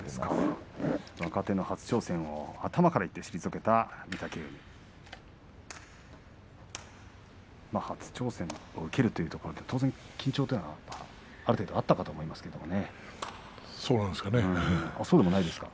若手の挑戦を頭からいきました御嶽海初挑戦を受けるということで緊張はある程度あったかと思いますね。